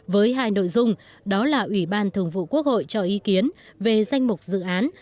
với hai nội dung đó là ủy ban thường vụ quốc hội cho ý kiến về danh mục dự án